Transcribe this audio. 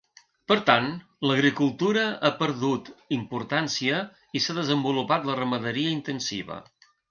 Per tant, l'agricultura ha perdut importància i s'ha desenvolupat la ramaderia intensiva.